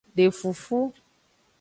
De fufu.